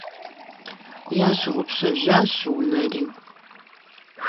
Ящыгъупщэжащ унэри!